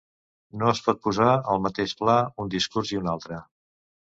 No es pot posar al mateix pla un discurs i un altre.